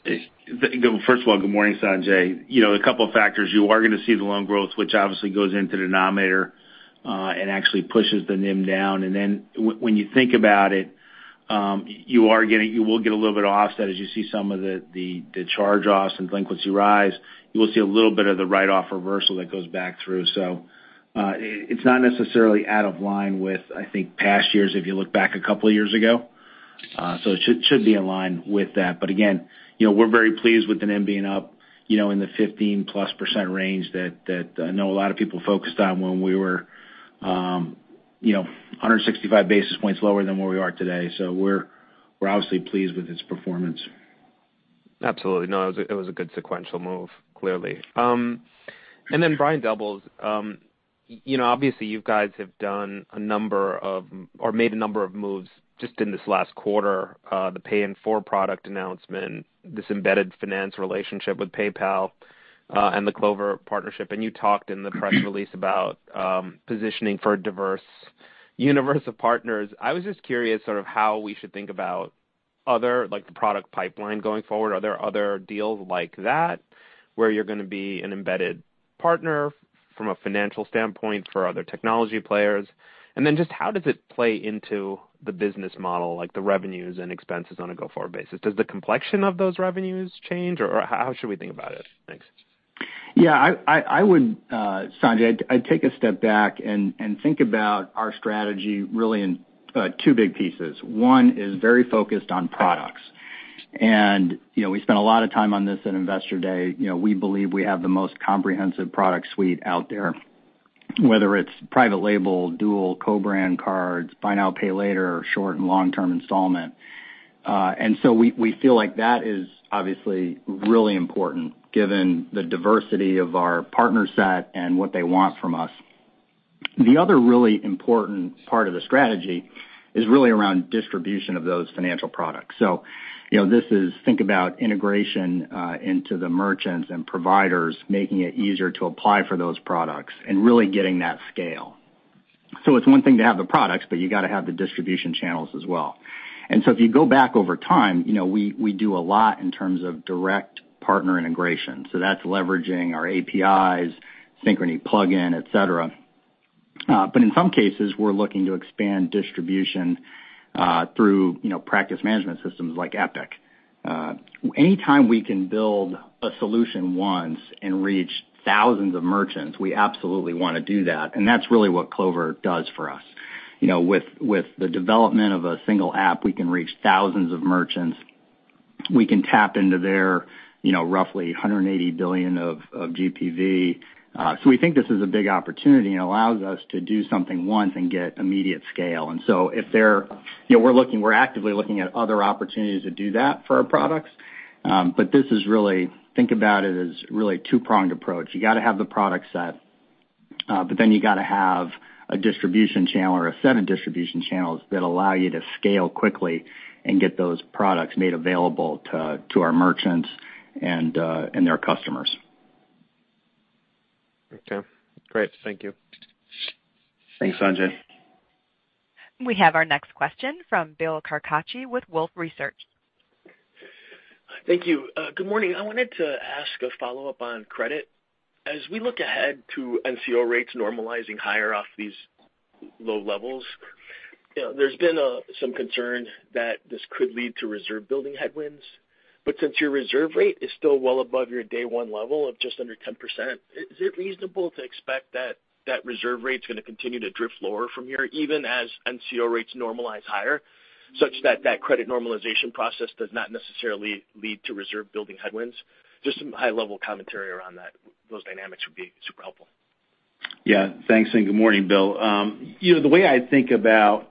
first of all, good morning, Sanjay. A couple of factors. You are going to see the loan growth, which obviously goes into the denominator and actually pushes the NIM down. When you think about it, you will get a little bit of offset as you see some of the charge-offs and delinquency rise. You will see a little bit of the write-off reversal that goes back through. It's not necessarily out of line with, I think, past years if you look back a couple of years ago. It should be in line with that. We're very pleased with the NIM being up in the 15%+ range that I know a lot of people focused on when we were 165 basis points lower than where we are today. We're obviously pleased with its performance. Absolutely. No, it was a good sequential move, clearly. Then Brian Doubles, obviously you guys have made a number of moves just in this last quarter. The Pay in 4 product announcement, this embedded finance relationship with PayPal, and the Clover partnership. You talked in the press release about positioning for a diverse universe of partners. I was just curious sort of how we should think about other, like the product pipeline going forward. Are there other deals like that where you're going to be an embedded partner from a financial standpoint for other technology players? Then just how does it play into the business model, like the revenues and expenses on a go-forward basis? Does the complexion of those revenues change, or how should we think about it? Thanks. Yeah. Sanjay, I'd take a step back and think about our strategy really in two big pieces. One is very focused on products. We spent a lot of time on this at Investor Day. We believe we have the most comprehensive product suite out there, whether it's private label, dual co-brand cards, Buy Now, Pay Later, or short- and long-term installment. We feel like that is obviously really important given the diversity of our partner set and what they want from us. The other really important part of the strategy is really around distribution of those financial products. This is think about integration into the merchants and providers, making it easier to apply for those products and really getting that scale. It's one thing to have the products, but you got to have the distribution channels as well. If you go back over time, we do a lot in terms of direct partner integration. That's leveraging our APIs, Synchrony plugin, et cetera. In some cases, we're looking to expand distribution through practice management systems like Epic. Anytime we can build a solution once and reach thousands of merchants, we absolutely want to do that, and that's really what Clover does for us. With the development of a single app, we can reach thousands of merchants. We can tap into their roughly $180 billion of GPV. We think this is a big opportunity, and it allows us to do something once and get immediate scale. We're actively looking at other opportunities to do that for our products. Think about it as really a two-pronged approach. You got to have the product set. You got to have a distribution channel or a set of distribution channels that allow you to scale quickly and get those products made available to our merchants and their customers. Okay, great. Thank you. Thanks, Sanjay. We have our next question from Bill Carcache with Wolfe Research. Thank you. Good morning. I wanted to ask a follow-up on credit. As we look ahead to NCO rates normalizing higher off these low levels, there's been some concern that this could lead to reserve building headwinds. Since your reserve rate is still well above your day one level of just under 10%, is it reasonable to expect that that reserve rate's going to continue to drift lower from here, even as NCO rates normalize higher, such that that credit normalization process does not necessarily lead to reserve building headwinds? Just some high-level commentary around those dynamics would be super helpful. Yeah. Thanks, and good morning, Bill. The way I think about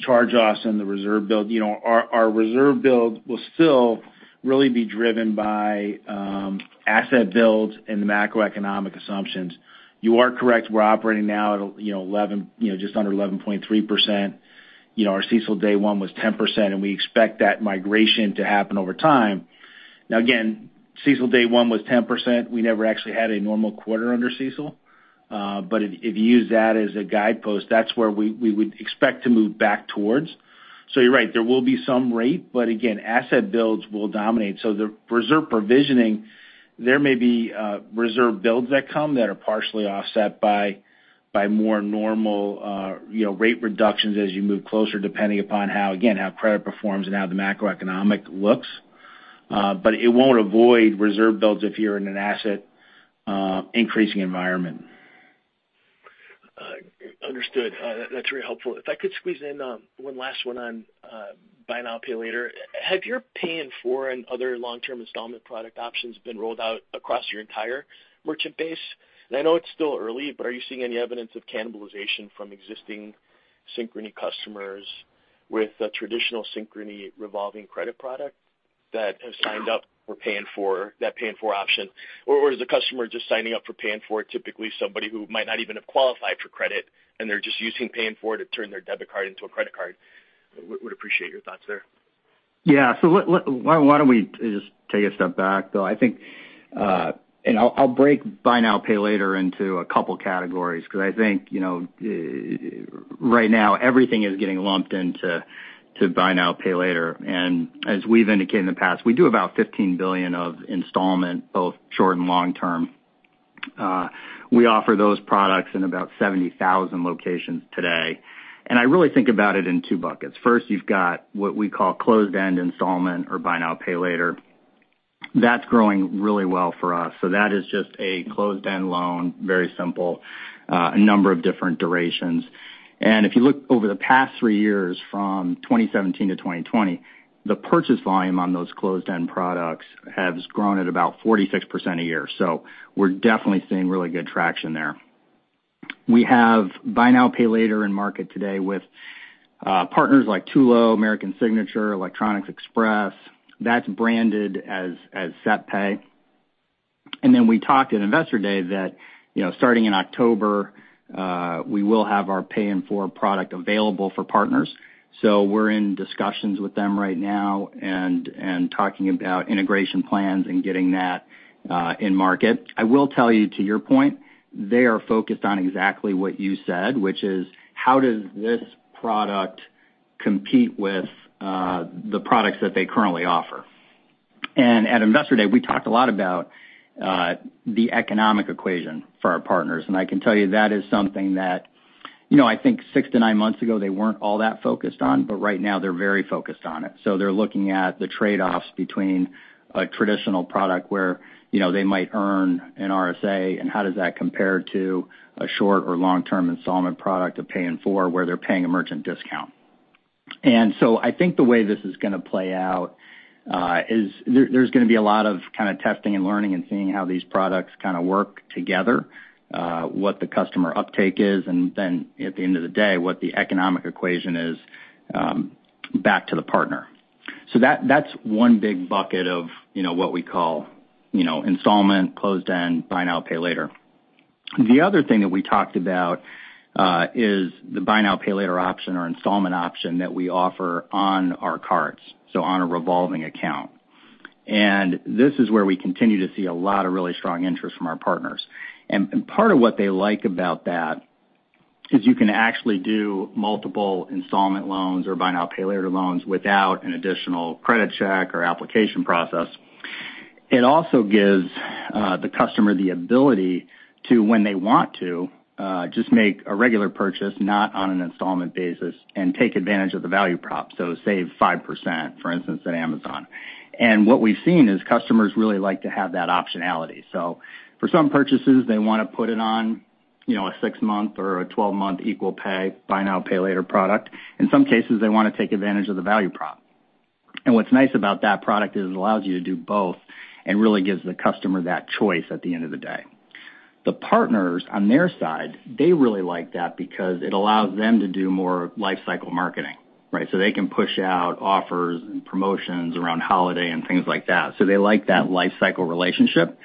charge-offs and the reserve build, our reserve build will still really be driven by asset builds and the macroeconomic assumptions. You are correct. We're operating now at just under 11.3%. Our CECL day one was 10%. We expect that migration to happen over time. Again, CECL day one was 10%. We never actually had a normal quarter under CECL. If you use that as a guidepost, that's where we would expect to move back towards. You're right. There will be some rate. Again, asset builds will dominate. The reserve provisioning, there may be reserve builds that come that are partially offset by more normal rate reductions as you move closer, depending upon how, again, how credit performs and how the macroeconomic looks. It won't avoid reserve builds if you're in an asset increasing environment. Understood. That's very helpful. If I could squeeze in one last one on Buy Now, Pay Later. Have your Pay in 4 and other long-term installment product options been rolled out across your entire merchant base? I know it's still early, but are you seeing any evidence of cannibalization from existing Synchrony customers with a traditional Synchrony revolving credit product that has signed up for that Pay in 4 option? Is the customer just signing up for Pay in 4 typically somebody who might not even have qualified for credit, and they're just using Pay in 4 to turn their debit card into a credit card? Would appreciate your thoughts there. Yeah. Why don't we just take a step back, though? I'll break Buy Now, Pay Later into a couple categories because I think right now everything is getting lumped into Buy Now, Pay Later. As we've indicated in the past, we do about $15 billion of installment, both short and long-term. We offer those products in about 70,000 locations today. I really think about it in two buckets. First, you've got what we call closed-end installment or Buy Now, Pay Later. That's growing really well for us. That is just a closed-end loan, very simple, a number of different durations. If you look over the past three years from 2017 to 2020, the purchase volume on those closed-end products has grown at about 46% a year. We're definitely seeing really good traction there. We have Buy Now, Pay Later in market today with partners like Tulo, American Signature, Electronic Express. That's branded as SetPay. We talked at Investor Day that starting in October, we will have our Pay in 4 product available for partners. We're in discussions with them right now and talking about integration plans and getting that in market. I will tell you, to your point, they are focused on exactly what you said, which is how does this product compete with the products that they currently offer. At Investor Day, we talked a lot about the economic equation for our partners. I can tell you that is something that I think six to nine months ago they weren't all that focused on, right now they're very focused on it. They're looking at the trade-offs between a traditional product where they might earn an RSA, and how does that compare to a short or long-term installment product of Pay in 4 where they're paying a merchant discount. I think the way this is going to play out is there's going to be a lot of kind of testing and learning and seeing how these products kind of work together, what the customer uptake is, and then at the end of the day, what the economic equation is back to the partner. That's one big bucket of what we call installment, closed-end, Buy Now, Pay Later. The other thing that we talked about is the Buy Now, Pay Later option or installment option that we offer on our cards, so on a revolving account. This is where we continue to see a lot of really strong interest from our partners. Part of what they like about that is you can actually do multiple installment loans or Buy Now, Pay Later loans without an additional credit check or application process. It also gives the customer the ability to, when they want to, just make a regular purchase, not on an installment basis, and take advantage of the value prop. Save 5%, for instance, at Amazon. What we've seen is customers really like to have that optionality. For some purchases, they want to put it on a 6-month or a 12-month equal pay, Buy Now, Pay Later product. In some cases, they want to take advantage of the value prop. What's nice about that product is it allows you to do both and really gives the customer that choice at the end of the day. The partners, on their side, they really like that because it allows them to do more life cycle marketing. They can push out offers and promotions around holiday and things like that. They like that life cycle relationship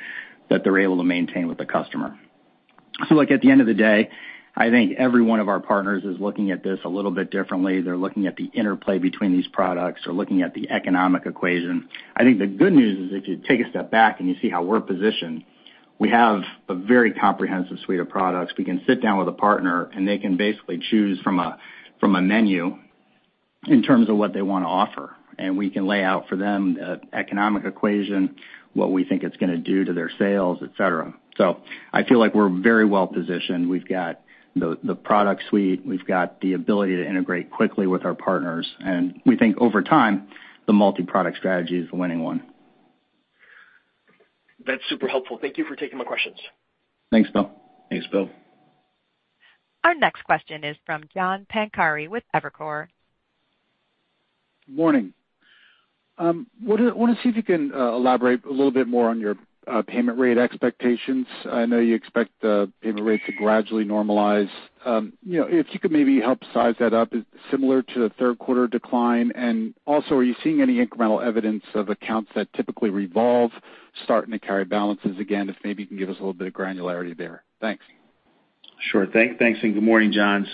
that they're able to maintain with the customer. Look, at the end of the day, I think every one of our partners is looking at this a little bit differently. They're looking at the interplay between these products. They're looking at the economic equation. I think the good news is, if you take a step back and you see how we're positioned, we have a very comprehensive suite of products. We can sit down with a partner, and they can basically choose from a menu in terms of what they want to offer, and we can lay out for them the economic equation, what we think it's going to do to their sales, et cetera. I feel like we're very well-positioned. We've got the product suite. We've got the ability to integrate quickly with our partners. We think over time, the multi-product strategy is the winning one. That's super helpful. Thank you for taking my questions. Thanks, Bill. Thanks, Bill. Our next question is from John Pancari with Evercore. Morning. I want to see if you can elaborate a little bit more on your payment rate expectations. I know you expect the payment rate to gradually normalize. If you could maybe help size that up, is it similar to the third quarter decline? Are you seeing any incremental evidence of accounts that typically revolve starting to carry balances again? If maybe you can give us a little bit of granularity there. Thanks. Sure. Thanks, good morning, John.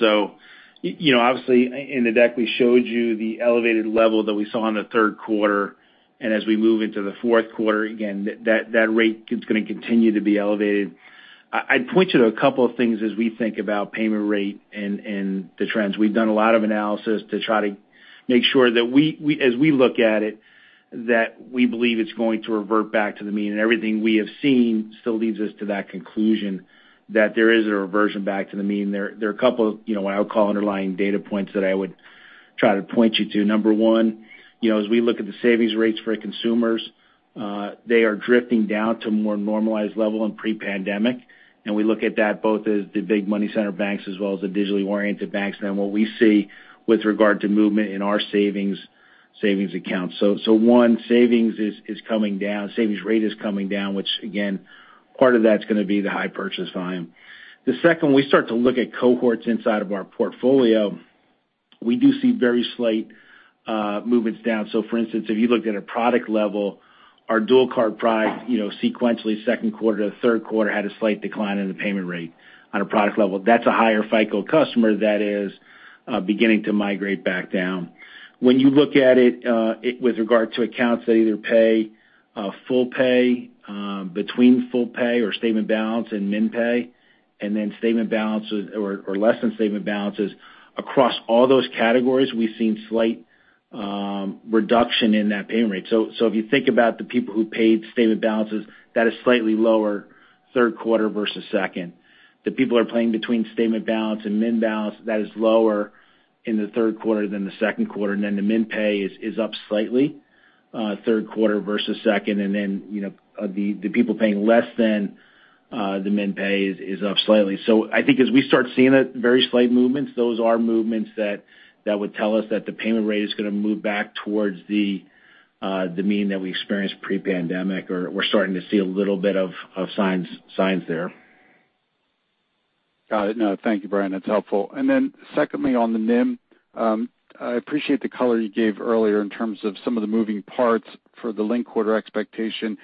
Obviously, in the deck, we showed you the elevated level that we saw in the third quarter. As we move into the fourth quarter, again, that rate is going to continue to be elevated. I'd point you to a couple of things as we think about payment rate and the trends. We've done a lot of analysis to try to make sure that as we look at it, that we believe it's going to revert back to the mean. Everything we have seen still leads us to that conclusion that there is a reversion back to the mean. There are a couple of what I would call underlying data points that I would try to point you to. Number one, as we look at the savings rates for consumers, they are drifting down to a more normalized level in pre-pandemic. We look at that both as the big money center banks as well as the digitally oriented banks, and what we see with regard to movement in our savings accounts. One, savings rate is coming down, which again, part of that's going to be the high purchase volume. The second, when we start to look at cohorts inside of our portfolio, we do see very slight movements down. For instance, if you looked at a product level, our dual card product sequentially second quarter to third quarter had a slight decline in the payment rate on a product level. That's a higher FICO customer that is beginning to migrate back down. When you look at it with regard to accounts that either pay full pay, between full pay or statement balance and min pay, and then statement balances or less than statement balances, across all those categories, we've seen slight reduction in that payment rate. If you think about the people who paid statement balances, that is slightly lower third quarter versus second. The people who are paying between statement balance and min balance, that is lower in the third quarter than the second quarter. The min pay is up slightly third quarter versus second. The people paying less than the min pay is up slightly. I think as we start seeing very slight movements, those are movements that would tell us that the payment rate is going to move back towards the mean that we experienced pre-pandemic, or we're starting to see a little bit of signs there. Got it. Thank you, Brian. That's helpful. Secondly, on the NIM, I appreciate the color you gave earlier in terms of some of the moving parts for the linked quarter expectation.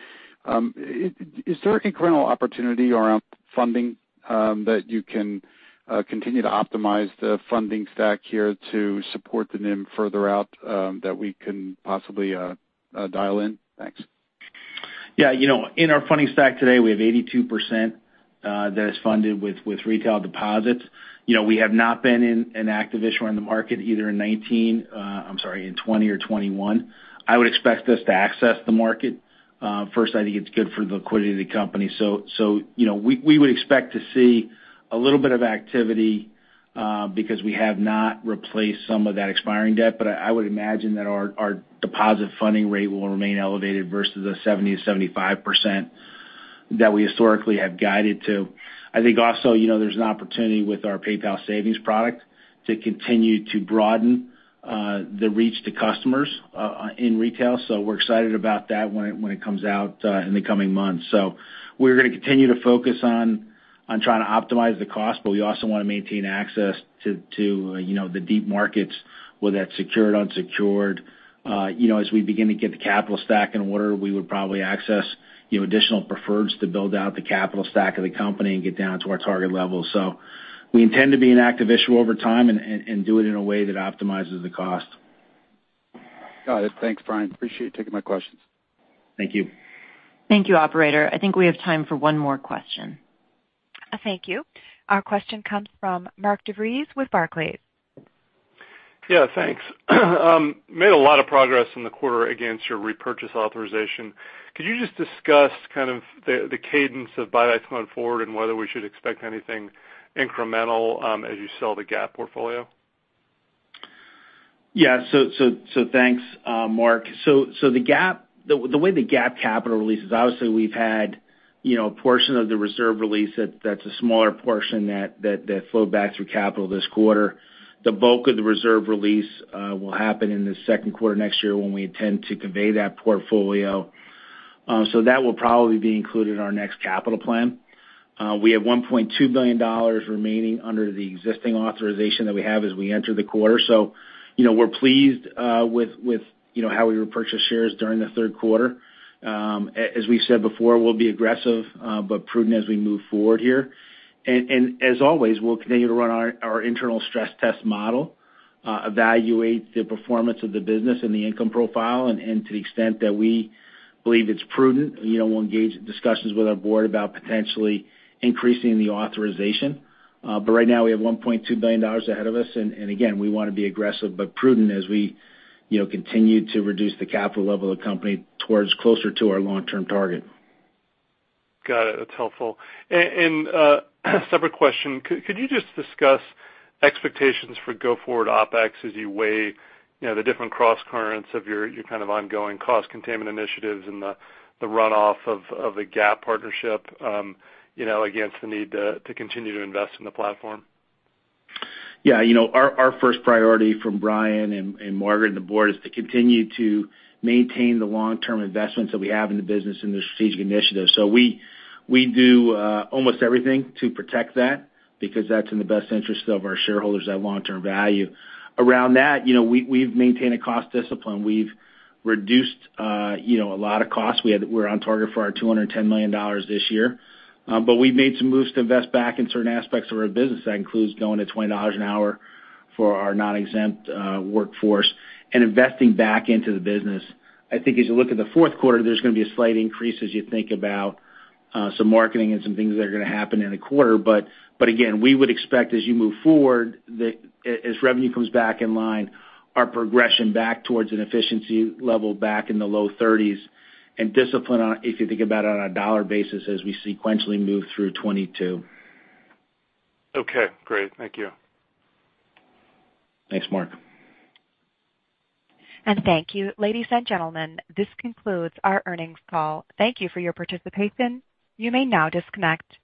Is there incremental opportunity around funding that you can continue to optimize the funding stack here to support the NIM further out that we can possibly dial in? Thanks. Yeah. In our funding stack today, we have 82% that is funded with retail deposits. We have not been an active issuer in the market either, I'm sorry, in 2020 or 2021. I would expect us to access the market. First, I think it's good for the liquidity of the company. We would expect to see a little bit of activity because we have not replaced some of that expiring debt. I would imagine that our deposit funding rate will remain elevated versus the 70%-75% that we historically have guided to. I think also there's an opportunity with our PayPal Savings product to continue to broaden the reach to customers in retail. We're excited about that when it comes out in the coming months. We're going to continue to focus on trying to optimize the cost, but we also want to maintain access to the deep markets, whether that's secured, unsecured. You know, as we begin to get the capital stack in order, we would probably access additional preferreds to build out the capital stack of the company and get down to our target level. We intend to be an active issuer over time and do it in a way that optimizes the cost. Got it. Thanks, Brian. Appreciate you taking my questions. Thank you. Thank you, operator. I think we have time for one more question. Thank you. Our question comes from Mark DeVries with Barclays. Yeah, thanks. Made a lot of progress in the quarter against your repurchase authorization. Could you just discuss kind of the cadence of buybacks going forward and whether we should expect anything incremental as you sell the Gap portfolio? Yeah. Thanks, Mark. The way the Gap capital releases, obviously we've had a portion of the reserve release that's a smaller portion that flowed back through capital this quarter. The bulk of the reserve release will happen in the second quarter next year when we intend to convey that portfolio. That will probably be included in our next capital plan. We have $1.2 billion remaining under the existing authorization that we have as we enter the quarter. We're pleased with how we repurchased shares during the third quarter. As we've said before, we'll be aggressive but prudent as we move forward here. As always, we'll continue to run our internal stress test model, evaluate the performance of the business and the income profile, and to the extent that we believe it's prudent, we'll engage in discussions with our board about potentially increasing the authorization. Right now we have $1.2 billion ahead of us, and again, we want to be aggressive but prudent as we continue to reduce the capital level of the company towards closer to our long-term target. Got it. That's helpful. Separate question, could you just discuss expectations for go-forward OpEx as you weigh the different crosscurrents of your kind of ongoing cost containment initiatives and the runoff of the Gap partnership against the need to continue to invest in the platform? Our first priority from Brian and Margaret and the board is to continue to maintain the long-term investments that we have in the business and the strategic initiatives. We do almost everything to protect that because that's in the best interest of our shareholders, that long-term value. Around that, we've maintained a cost discipline. We've reduced a lot of costs. We're on target for our $210 million this year. We've made some moves to invest back in certain aspects of our business. That includes going to $20 an hour for our non-exempt workforce and investing back into the business. I think as you look at the fourth quarter, there's going to be a slight increase as you think about some marketing and some things that are going to happen in a quarter. Again, we would expect as you move forward, as revenue comes back in line, our progression back towards an efficiency level back in the low 30s and discipline on, if you think about it on a dollar basis, as we sequentially move through 2022. Okay, great. Thank you. Thanks, Mark. Thank you. Ladies and gentlemen, this concludes our earnings call. Thank you for your participation. You may now disconnect.